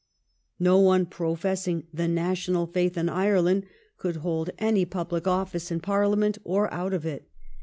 No one pro fessing the national faith in Ireland could hold any public office in Parliament or out of it.